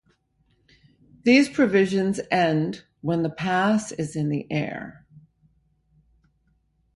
These provisions end when the pass is in the air.